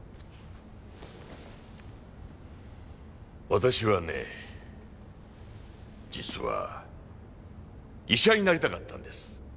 私はね実は医者になりたかったんです。